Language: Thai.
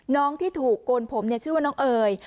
น้องที่ถูกโกนผมชื่อว่าน้องเอ๋ย